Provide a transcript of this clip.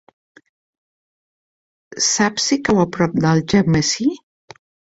Saps si cau a prop d'Algemesí?